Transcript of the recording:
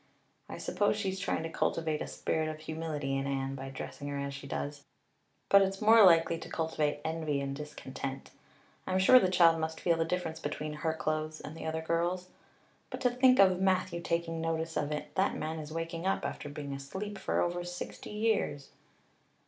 I suppose she's trying to cultivate a spirit of humility in Anne by dressing her as she does; but it's more likely to cultivate envy and discontent. I'm sure the child must feel the difference between her clothes and the other girls'. But to think of Matthew taking notice of it! That man is waking up after being asleep for over sixty years."